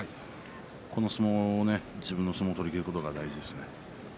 この相撲を、自分の相撲を取りきることが大事ですね。